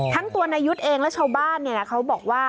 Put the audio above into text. ทั้งตัวนายุทธ์เองและชาวบ้านเขาบอกว่า